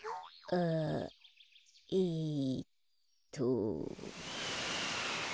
あえっと。